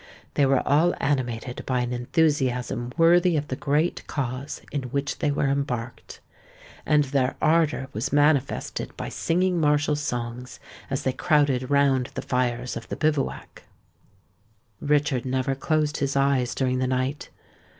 They were all animated by an enthusiasm worthy of the great cause in which they were embarked; and their ardour was manifested by singing martial songs as they crowded round the fires of the bivouac. Richard never closed his eyes during the night.